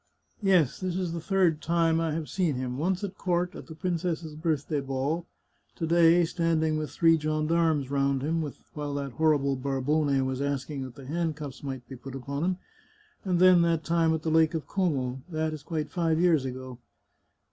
... Yes, this is the third time I have seen him : once at court, at the princess's birth day ball ; to day, standing with three gendarmes round him, while that horrible Barbone was asking that the handcuffs might be put upon him ; and then that time at the Lake of Como — that is quite five years ago.